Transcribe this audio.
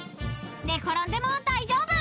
［寝転んでも大丈夫］